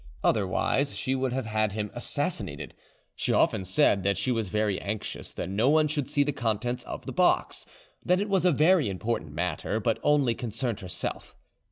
Other wise she would have had him assassinated. She often said that she was very anxious that no one should see the contents of the box; that it was a very important matter, but only concerned herself.